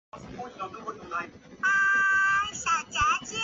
加贺昭三决定在该作中让系列首作主角马鲁斯的故事画上句号。